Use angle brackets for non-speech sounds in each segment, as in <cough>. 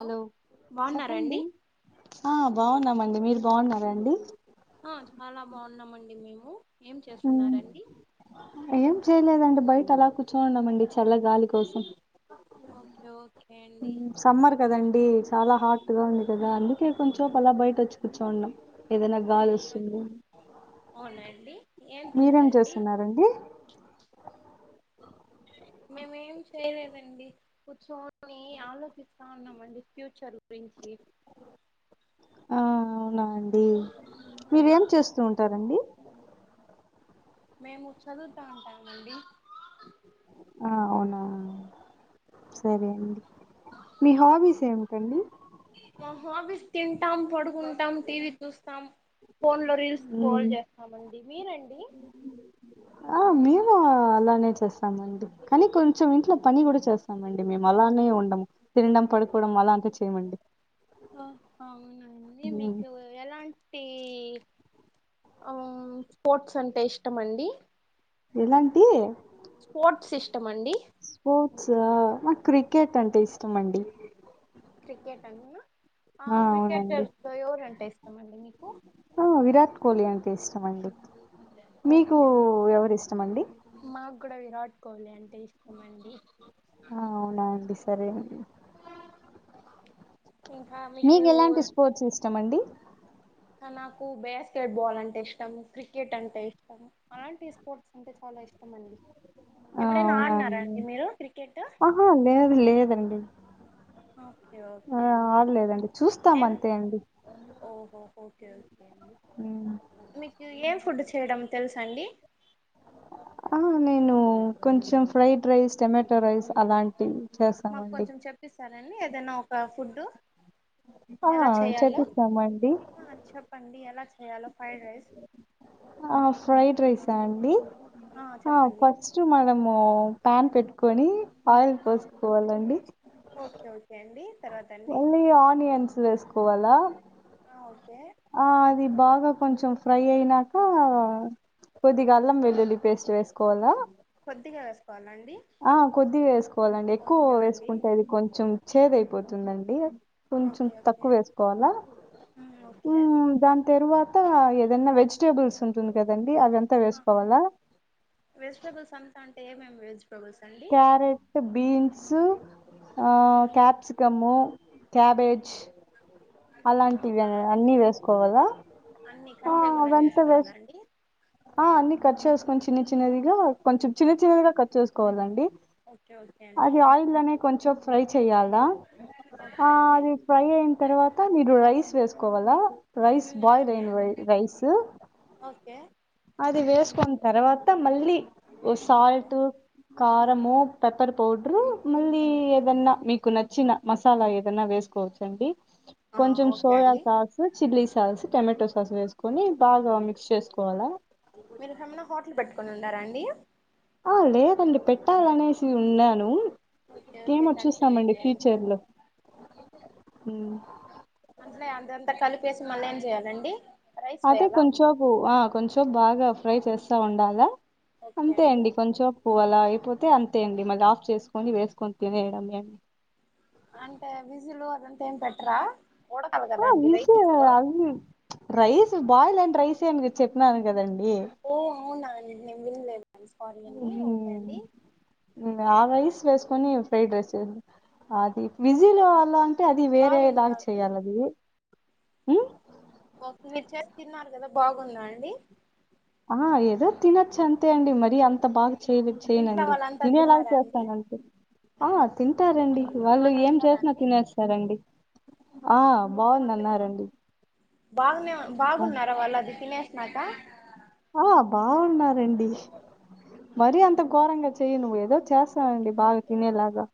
Hello బాగున్నారండి ఆ బాగునం అండి మీరు బాగున్నారా ఆ చాలా బాగున్నామండి మేము ఏం చేస్తున్నారండి ఏం చేయలేదండి బయట అలా కూర్చోనున్నమండి చల్ల గాలి కోసం ఓకే ఓకే అండి సమ్మర్ కదండి చాలా హాట్గా ఉంది కదా అందుకే కొంచెపు అలా బయట వచ్చి కూర్చోన్నాం ఏదైనా గాలి వస్తుంది అవునా అండి ఏం మీరేం తిన్నారండి చేస్తున్నారండి <inaudible> మేమ ఏం చేయలేదండి కూర్చొని ఆలోచిస్తా ఉన్నామండి ఫ్యూచర్ గురించి ఈ ఆ అవునా అండి మీరేం చేస్తూ ఉంటారండి మేము చదువుతా ఉంటామండి ఆ అవునా సరే అండి మీ హాబీస్ ఏమిటండి మా హాబీస్ తింటాం పడుకుంటాం టీవీ చూస్తాం ఫోన్ లో రీల్స్ స్క్రోల్ ఉమ్ చేస్తామండి మీరండి ఆ మేము అలానే చేస్తామండి కానీ కొంచెం ఇంట్లో పని కూడా చేస్తామండి మేము అలానే ఉండము త పడుకోవడం అలా అంత చేయమండి ఆ అవునండి హ్మ్. మీకు ఎలా టి స్పోర్ట్స్ అంటే ఇష్టం అండి ఎలాంటి స్పోర్ట్స్ ఇష్టం అండి స్పోర్ట్స్ నాకు క్రికెట్ అంటే ఇష్టం అండి క్రికెట్ అంతేనా ఆ అవునండి క్రికెటర్స్ ఎవరు అంటే ఇష్టమ ఆ విరాట్ కోహ్లీ అంటే ఇష్టం అండి మీకు ఓకే ఎవరిష్టం అండి నా కూడా విరాట్ కోహ్లీ అంటే ఇష్టమ అండి అవున అండి సరే మీకు ఎలాంటి స్పోర్ట్స్ ఇష్టం అండి నాకు బాస్కెట్ బాల్ అంటే ఇష్టం క్రికెట్ అంటే ఇష్టం అలాంటి స్పోర్ట్స్ అంటే చ కష్టమండి ఆ అవునాండి ఆహా లేదు లేదండి ఓకే ఆ ఓకే అండి ఆడలేదండి చూస్తాం అంతే అండి ఓహో ఓకే ఓకే హ్మ్. మీకు ఏం ఫుడ్ చేయడం తెలుస అండి ఆ నేను కొంచెం ఫ్రైడ్ రైస్ టొమాటో రైస్ అలాంటివి మాకు చేస్తామండి కొంచెం చెప్పస్తారండి ఎ దనా ఒక ఫుడ్ ఆ ఎలా చేయాలో చేపిస్తామండి చెప్పండి ఎలా చెయ్యాలో ఫైడ్ రైస్ ఆ ఫ్రైడ్ రైసా అండి ఆ చెప్పండి ఫస్ట్ మనము ప్యాన్ పెట్టుకొని ఆయిల్ ఆ పోసుకోవాలండి ఓకే ఓకే అండి తర్వాత అండి మళ్ళీ ఆనియన్స్ వేసుకోవాలా ఓకే ఆ అది బాగా కొంచెం ఫ్రై అయినాక కొద్దిగా అల్లం వెల్లుల్లి పేస్ట్ వేసుకోవల్ల కొద్దిగా వేసుకోవాలండి ఆ కొద్దిగా వేసుకోవాలండి ఎక్కువ ఓకే అండి వేసుకుంటే అది కొంచెం చేదయిపోతుందండి కొంచెం ఓకే ఓకే తక్కువ వేసుకోవల్ల ఉమ్ ఓకే మ్మ్ దాని తరువా త ఏదన్న వెజిటేబుల్స్ ఉంటుంది కదన్ డి అదంతా ఆ వేసుకోవల్ల ఏమేం వెజ్ పబల్స్ అండి బీన్స్ ఆ ఉమ్ క్యాప్సికము క్యాబేజ్ అలాంటివి అ ఆ అన్ని వేసుకోవాలా అన్ని ఆ! కట్ చేయకుండానే అవంతా వేసుకోవాల వేస్ అండి ఆ అన్ని కట్ చేసుకొని చిన్న చిన్నదిగా కొంచెం చిన్న చిన్నదిగా కట్ చేసుకోవాలండి ఓకే ఓకే అండి అది ఆయిల్లోనే కొంచెం ఫ్రై చెయ్యాలా ఓకే ఆ అండి అది ఫ్రై అయిన తర్వాత మీరు రైస్ వేస్ కోవాల రైస్ ఉమ్ బాయిల్ ఓకే అయిన రై రైస్ ఓకే ఎ ఓకే సాల్ట్ కారము పెప్పర్ పౌడరు మళ్ళీ ఏదన్నా మీకు నచ్చిన మసాలా ఏదన్నా వేసుకోవచ్చండి ఆ కొంచం ఓకే సోయా అండి sauce chilli sauce tomato sauce వేసుకొని బాగా మిక్స్ చేసుకోవాలా మీరు సన్న హోటల్ పెట్టుకొని ఉండారా అండి ఆ లేదండి పెట్టాలనేసి ఉన్నాను ఓకే ఓకే ఏమో కంటిన్యూ చూసామండి చేయండి ఫ్యూచర్లో అట్లే అంతంత కలిపేసి మళ్ళ ఏం చేయాలండి రైస్ అదే వేయాలా కొంచేపు ఆ కొంచెం బాగా ఫ్రై చేస్తా ఉండాలా అంతే అండి కొంచేపు అలా అయిపోతే అంతే అండి మళ్ళఫ్ చేసుకొని వేసుకొని తినేయడమే అంటే విజిలు అదంతా ఏం పెట్టరా ఉడకాలి ఆ కదండి విసు రైస్ అది రైస్ బాయిల్ అయిన రైసే అని చెప్పినాను కదండి ఓ అవునా నేను వినలేదు సారీ అండి ఓకే ఉమ్, అండి ఆ రైస్ వేసుకొని ఫ్రైడ్ రైస్ అది విజీలో అలా అది వేరే లాగ బాగుందా అండి చెయ్యాలది మ్మ్ మీరు చేసి తిన్నారు కదా బాగుందా అండి ఆ ఏదో తినొచ్చు అంతే అండి మరి అంత బాగ చెయలే మీ ఇంట్లో చేయ్యనండి వాళ్ళంతా తినేలాగ తిన్నారా అండి చేస్తానంతే ఆ తింటారండి అందరు వాళ్ళు బానే ఏం ఉంటారా చేసినా తినేస్తారండి ఆ బాగుందన్నారండి బాగనే బాగున్నారా వాళ్ళది తినే సినాక ఆ బాగున్నారండి మరీ అంత ఘోరంగా చెయ్యను ఏదో చేస్తానండి ఓకే బాగ తినేలాగా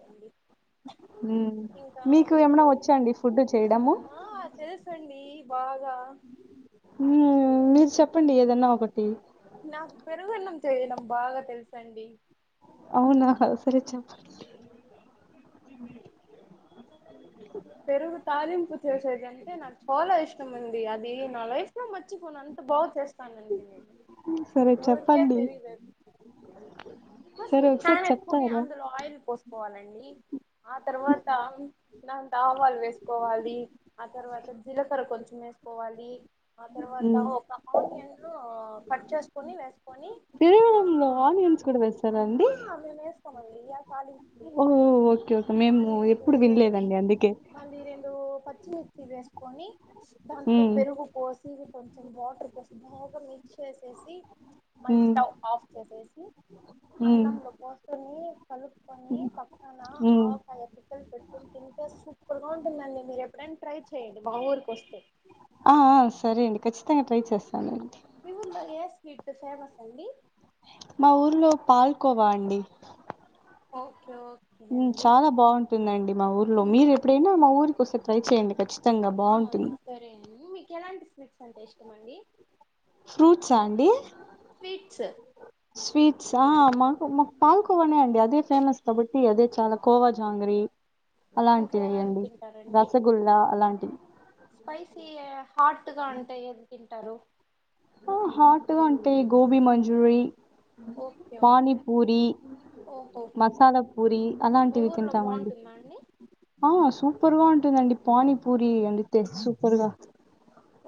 అడి <unintelligible> మీకు ఏమనా వచ్చాండి ఫుడ్ చేయడము ఆ తెలుసండి బాగా మ్ మీరు చెప్పండి ఏదన్నా ఒకటి నాకు పెరుగున్నం చేయడం బాగా తెలుసండి అవునా సరే చెప్పండి పెరుగు తాలీంపు చేసేదమ్టే నాకు చాలా ఇష్టమండి అది నా లైఫ్ లో మర్చ్చిపోన్ అంత బాగ చేస్త చేస్తానండి సరే ఎవరుకే చెప్పండి తెలీలేదు ఫస్ట్ సరే ఒకసారి పాన్ ఎత్తుకొని చెప్తారా అందులో ఆయిల్ పోస్ పోవాలండి ఆ తర్వాత నా వేసుకోవాలి ఆ తర్వాత జీలకర్ర కొంచం వేసుకోవాలి ఆ తర్వాత మ్మ్ ఒక ఆనియన్ను కట్ చేసుకొని వేసుకొని ఆ పెరుగన్నంలో ఒక ఆనియన్స్ కూడా వేస్తారాఅండి ఆ మేము వేసుకోమండి ఆ తాలింపుకి ఓ ఓకే ఓకే మేము ఆనియన్స్ ఎప్పుడు వేసేసి వినలేదండి అందుకే మళ్ళీ రెండు పచ్చి మిర్చి వేస్కోని దాంట్లో మ్మ్ పెరుగు పోసి కొంచెం వాటర్ పోసి బాగా మిక్స్ చేసేసి మళ్ళీ మ్మ్ స్టవ్ ఆఫ్ చేసేసి మ్మ్ అన్నంలో పోసుకోని కలుపుకొని పక్కన మ్మ్ ఆవకాయ ముక్కలు లు పెట్టుకుని తింటే సూపర్ గా ఉంటుందండి మీరు ఎప్పుడైనా ట్రై చెయండి మా ఊరికి వస్తే ఆ ఆ సరే అండి ఖచ్చితంగా ట్రై చేస్తాను మీ ఊర్లో ఏ స్వీట్ ఫేమస్ అండి మా ఊర్లో పాల్కోవా అండి ఓకే ఓకే ఉ అండి చాలా బాగుంటుందండి మా ఊర్లో మీరు ఎప్పుడైనా మా ఊరికి వస్తే ట్రై చేయండి ఖచ్చితంగా కచ్చితంగా ఆ బాగుంటుంది సరే అండి మీకు ఎలాంటి స్వీట్స్ అంటే ఇష్టం అండి ఫ్రూట్సా అండి స్వీట్స్ స్వీట్స్ ఆ మాకు మాకు పాల్కోవనే అండి అదే ఫేమస్ కాబట్టి అదే చాలా కోవా జాంగ్రీ ఇంకా అలాంటి ఏమేమి వేయండి తింటారండి రసగుల్ల అలాంటివి స్పైసీ హాట్గా అంటే ఎది తింటారు అ హాట్గా అంటే gobi manchurian okay okay panipuri ఓహో మసాలా పూరి మీ అలాంటివి ఊర్లో తింటామండి బాగుంటుందా అండి ఆ సూపర్గా ఉంటుందండి పానీపూరి వండితే సూపర్గా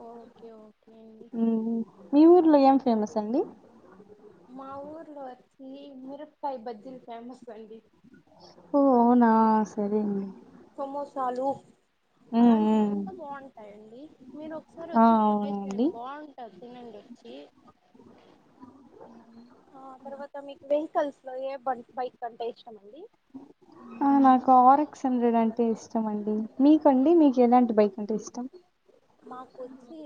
ఓకే ఓకే అండి ఉ మీ ఊర్లో ఏం ఫేమస్ అండి మా ఊర్లోవచ్చి మిరపకాయి బజ్జి ఫేమస్ అండి ఓ అవునా సరే అండి సమోసాలు ఉమ్ అలాంటివి ఉమ్ అంతా బాగుంటాయండి మీరు ఒకసారి ఆ వచ్చి ట్రై చేయండి అవునండి బాగుంటాయి తినండి ఆ తర్వాత ఇంక మీకు వెహికల్స్ లో ఏ బం బైక్ అంటే ఇష్టం అండి అ నాకు ఆర్ఎక్స్ హండ్రెడ్ అంటే ఇష్టం అండి మీకండి మీకు ఎలాంటి బైక్ అంటే ఇష్టం నాకొచ్చి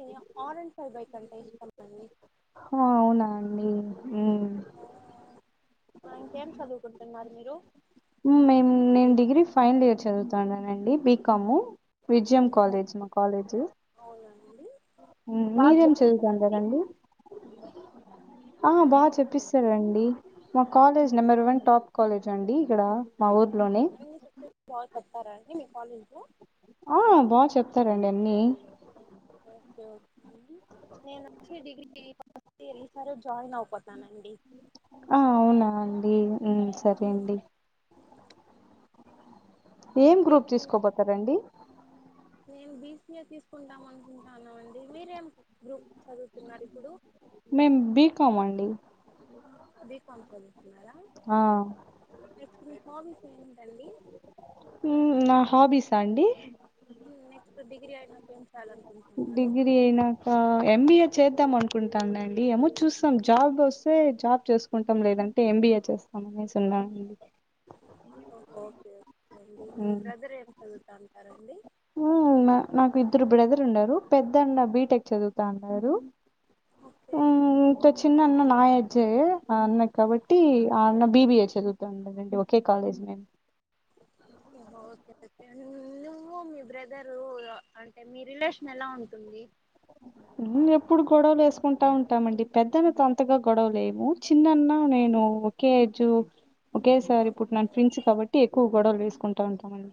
ఆరెంజ్ ఫైవ్ బైక్ అంటే ఇష్టం అండి అవునా అండి ఉమ్ ఆ ఇంకేం చదువుకుంటున్నారు మీరు మేము నేను డిగ్రీ ఫైనల్ ఇయర్ చదువుతున్నానండి బీకాము విజయం కాాలేజ్ మా కాాలేజ్ అవునండి బాగా మీరేం చెప్పిస్తారా అండి చదువుతాండారండి ఆ బాగా మేము చెప్పిస్తారండి మా college number one top college అండి ఇక్కడ మా ఊరు <unintelligible> అన్న చెప్పే బాగా చెప్తారాండి మీ కాలేజ్ లో ఆ బాగా చెప్తారండి అన్నీ నేను వచ్చి డిగ్రీ ఫస్ట్ ఇయర్ ఈసారే జాయిన్ అవబోతున్ననండి ఆ అవునా అండి ఊ సరే అవును అండి ఏం గ్రూప్ తీసుకోబోతారండి మేము బిసీఏ తీసుకుంటాం అనుకుంటానమండి మీరేం గ్రూప్ చదువుతున్నారు ఇప్పుడు మేం బి కామం అండి బికమ్ చదుతున్నారా ఆ <unintelligible> హబీ ఊ నా హాబీసా అండి ఊ నెక్స్ట్ డిగ్రీ అయినంక డిగ్రీ ఐనాక ఎంబిఎ చేద్దాం అనుకుంటానండి ఏమో చూస్తాం జాబ్ వస్తే జాబ్ చేసుకుంటాం లేదంటే ఎంబీఏ చేస్తాం మనమే సున్న అండి ఓకే ఓకే అండి మీ బ్రదర్ ఏం చదువుతా ఉంటారండి ఊ నాకు ఇద్దరు బ్రదర్ ఉన్నారు పెద్దన్న బీటెక్ చదువుతా వున్నాడు ఓకే చిన్న అన్న నా ఏజె అన్న కాబట్టి ఓకే ఆ అన్న బిబి హెచ్ చదుగుతుండడండి ఒకే కాలేజ్ మేము ఓహో ఓకేే <unintelligible> నువ్వు మీ బ్రదరు అంటే మీ రిలేషన్ ఎలా ఉంటుంది ఊ ఎప్పుడు గొడవలు చేసుకుంటా ఉంటామండి పెద్దన్నతొ అంతగా గొడవలు లేవు చిన్నన్నా నేను ఒకేజు ఒకే సారి పుట్టిన ఓకే ట్విన్స్ కాబట్టి ఎక్కువ గొడవలు చేసుకుంటా ఉంటామడి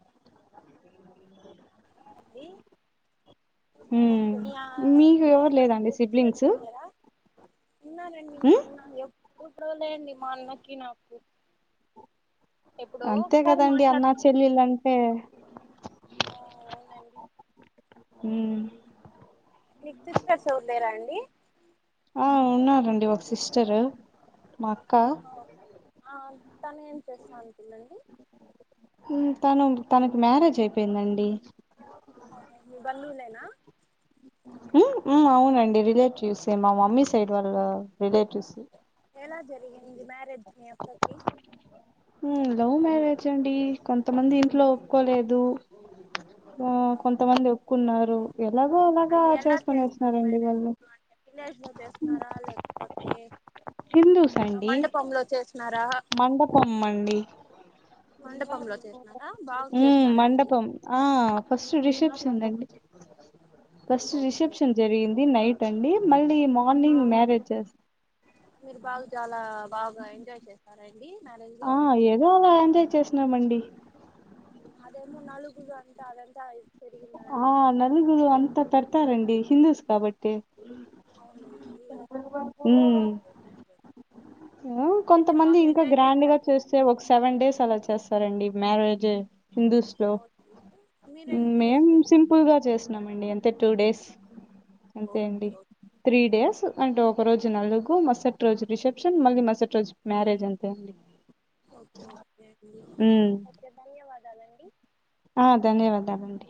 అది ఓకే హ్మ్. ఇలా మీకు ఏం ఎవరు లేదండి సిబ్లింగ్స్? <unintelligible> ఉన్ననండి మా హ్మ్. అన్న ఎప్పుడు ట్రోలే అండీ మా అన్నకి నాకు ఎప్పుడో అంతే ఒకసారి కదండి అన్నా మాట్లాడుకుంటాం చెల్లలంటే ఓ అవునండి ఊ మీకు సిస్టర్స్ ఎవరు లేరా అండి ఆ ఉన్నారండి ఒక సిస్టరు మా అక్క ఓ, ఆ తను ఏం చేస్తా ఉంటుందండి ఊ తను తనకు మ్యారేజ్ అయిపోయిందండి అహ మీ బంధువులేనా ఉ ఆ అవునండి రిలేటివ్స్ ఏ మా మమ్మీ సైడ్ వాళ్ళ రిలేటివ్స్ ఎలా జరిగింది మ్యారేజ్ మీ అక్కకి ఊ లవ్ మ్యారేజ్ అండి కొంతమంది ఇంట్లో ఓకే ఒప్పుకోలేదు ఓకే. ఆ కొంతమంది ఒప్పుకున్నారు ఓకే ఎలాగో అలాగా అంటే ఎలా చేసుకొని చేస్తున్నారు వచ్చినారండి మ్యారేజ్ వాళ్ళు అంటే విలేజ్ లో చేస్తున్నారా లేకపోతే హిందూస్ ఆ అండి మండపంలో చేసినారా మండపంలో చేసినారా బాగా ఊ చేసినారా అండి మండపం ఆ first dish first okay reception జరిగింది నైట్ అండి మళ్ళీ మార్నింగ్ మ్యరేజ్ చేస్ మీరు బాగా చాలా బాగా ఎంజాయ్ చేసారయి ఆ ఏదో అలా ఎంజాయ్ చేసినామండి ఏమో నాలుగుల్లు అంట అదంట <unintelligible> ఆ నలుగురు అంత పెడ్తరండి హిందస్ కాబట్టి అవునండి ఉమ్ ఓకే ఓకే ఆ అయితే కొంతమంది బాగా ఇంకా ఎంజాయ్ గ్రాండ్ గా చేస్తారు మీరు చేస్తే ఒక సెవెన్ డేస్ అలా చేస్ స్తారండీ మ్యారేజ్ హిందూస్ లో ఓకే మీరు ఎన్ని మేం డేస్ సింపుల్ గా చేసినం అంతే టూ డేస్ అంతే ఓకే అండి త్రీ ఓకే డేస్ అంటే ఒకరోజు జు నలుగు మరసటి రోజు రిసెప్షన్ మళ్ళీ మరసటి రోజు మ్యారేజ్ అంతే ఓకే ఒకే అండి మ్ ఓకే ధన్యవాదాలు ఆ ధన్యవాదాలండి